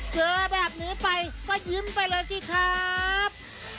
เจอแบบนี้ไปก็ยิ้มไปเลยสิครับ